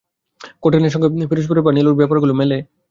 কোনোটার সঙ্গে কি ফিরোজের বা নীলুর ব্যাপারগুলো মেলে?